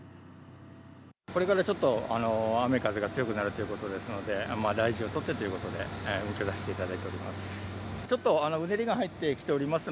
これからちょっと、雨風が強くなるということですので、大事を取ってということで、運休させていただいております。